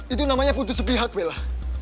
itu namanya putus sepihak bella